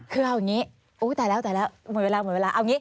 คือเอาอย่างนี้อุ๊ยตายแล้วหมดเวลา